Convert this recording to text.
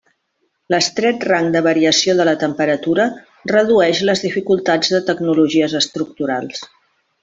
L'estret rang de variació de la temperatura redueix les dificultats de tecnologies estructurals.